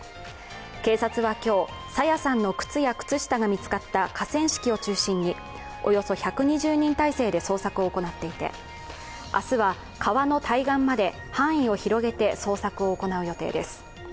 警察は今日、朝芽さんの靴や靴下が見つかった河川敷を中心におよそ１２０人態勢で捜索を行っていて明日は、川の対岸まで範囲を広げて捜索を行う予定です。